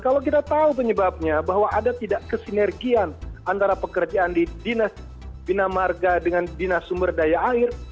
kalau kita tahu penyebabnya bahwa ada tidak kesinergian antara pekerjaan di dinas bina marga dengan dinas sumber daya air